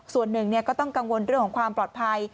ส่วนหนึ่งก็ต้องกังวลเรื่องของความปลอดภัย